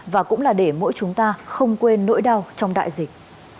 và cũng là để mỗi chúng ta không quên nỗi đau trong đại dịch